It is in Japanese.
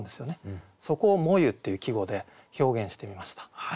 そこを「炎ゆ」っていう季語で表現してみました。